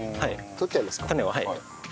取っちゃいますか。